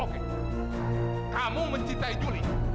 oke kamu mencintai juli